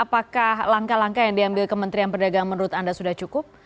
apakah langkah langkah yang diambil kementerian perdagangan menurut anda sudah cukup